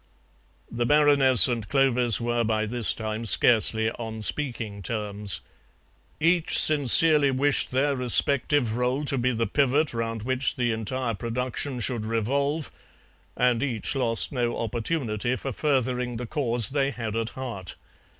The Baroness and Clovis were by this time scarcely on speaking terms. Each sincerely wished their respective rôle to be the pivot round which the entire production should revolve, and each lost no opportunity for furthering the cause they had at heart.